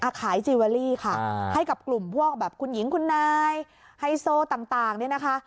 ขายจีเวอรี่ค่ะให้กับกลุ่มพวกแบบคุณหญิงคุณนายไฮโซต่างเนี่ยนะคะ